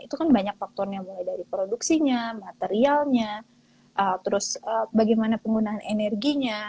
itu kan banyak faktornya mulai dari produksinya materialnya terus bagaimana penggunaan energinya